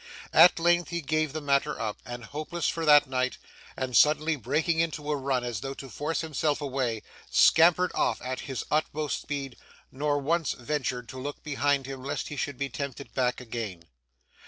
At length, he gave the matter up, as hopeless for that night, and suddenly breaking into a run as though to force himself away, scampered off at his utmost speed, nor once ventured to look behind him lest he should be tempted back again.